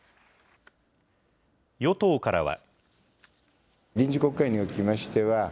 与党からは。